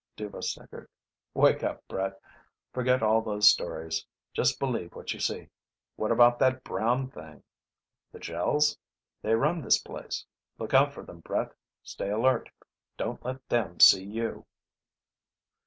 Dhuva snickered. "Wake up, Brett. Forget all those stories. Just believe what you see." "What about that brown thing?" "The Gels? They run this place. Look out for them, Brett. Stay alert. Don't let them see you."